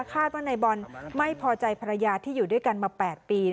คาดว่านายบอลไม่พอใจภรรยาที่อยู่ด้วยกันมา๘ปี